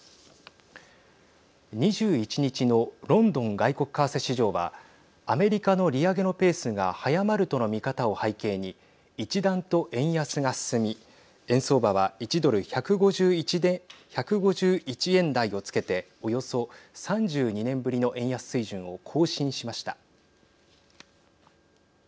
２１日のロンドン外国為替市場はアメリカの利上げのペースが早まるとの見方を背景に一段と円安が進み円相場は１ドル＝１５１円台をつけておよそ３２年ぶりの円安水準を更新しました。